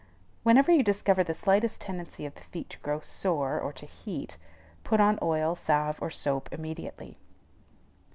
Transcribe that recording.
Whenever you discover the slightest tendency of the feet to grow sore or to heat, put on oil, salve, or soap, immediately.